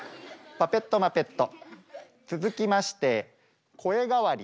パペットマペット！